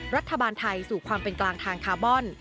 รัฐบาลไทยสู่ความเป็นกลางทางคาร์บอน